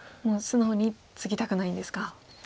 もう素直にツギたくないんですか。